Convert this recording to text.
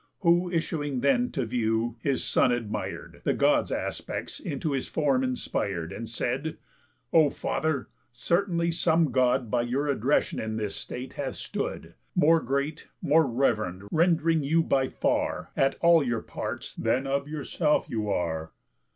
Who issuing then to view, his son admir'd The Gods' aspects into his form inspir'd, And said: "O father, certainly some God By your addression in this state hath stood, More great, more rev'rend, rend'ring you by far At all your parts than of yourself you are!"